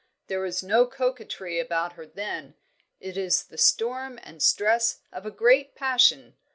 There is no coquetry about her then; it is the storm and stress of a great passion."